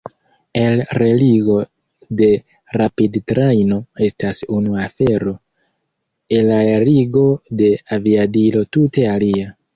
Elreligo de rapidtrajno estas unu afero; elaerigo de aviadilo tute alia.